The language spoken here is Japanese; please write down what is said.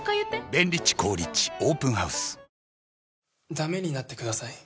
だめになってください。